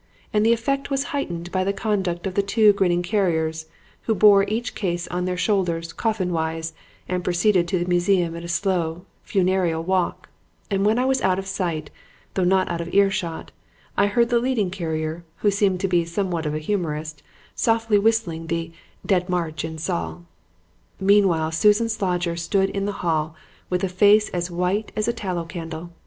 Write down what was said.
And the effect was heightened by the conduct of the two grinning carriers, who bore each case on their shoulders, coffin wise, and proceeded to the museum at a slow, funereal walk; and when I was out of sight, though not out of earshot, I heard the leading carrier, who seemed to be somewhat of a humorist, softly whistling the 'Dead March in Saul.' "Meanwhile, Susan Slodger stood in the hall with a face as white as a tallow candle.